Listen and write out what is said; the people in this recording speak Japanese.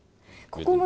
ここ。